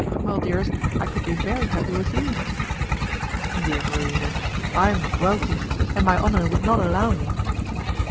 Well, dearest, I could be very happy with you." "Dear Marina, I am not wealthy, and my honour would not allow me...."